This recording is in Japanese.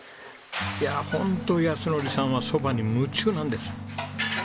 いやあホント靖典さんは蕎麦に夢中なんです。